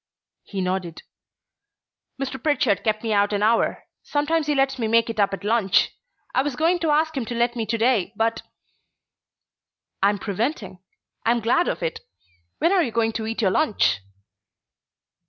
He nodded. "Mr. Pritchard kept me out an hour. Sometimes he lets me make it up at lunch. I was going to ask him to let me to day, but " "I'm preventing. I'm glad of it! When are you going to eat your lunch?"